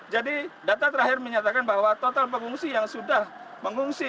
jadi data terakhir menyatakan bahwa total pengungsi yang sudah mengungsi